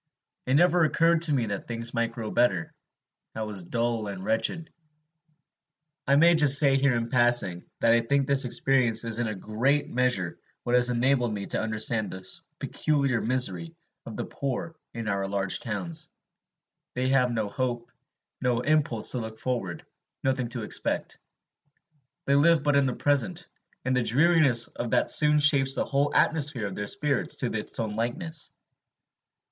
It never occurred to me that things might grow better. I was dull and wretched. I may just say here in passing, that I think this experience is in a great measure what has enabled me to understand the peculiar misery of the poor in our large towns, they have no hope, no impulse to look forward, nothing to expect; they live but in the present, and the dreariness of that soon shapes the whole atmosphere of their spirits to its own likeness.